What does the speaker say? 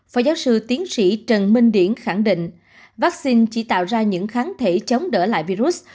phó giáo sư tiến sĩ trần minh điển khẳng định vaccine chỉ tạo ra những kháng thể chống đỡ lại virus